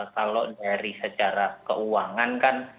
kalau dari secara keuangan kan